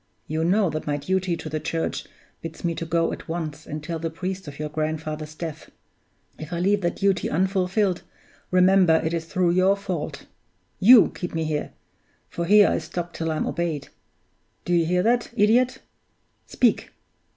You know that my duty to the Church bids me to go at once and tell the priest of your grandfather's death. If I leave that duty unfulfilled, remember it is through your fault! You keep me here for here I stop till I'm obeyed. Do you hear that, idiot? Speak!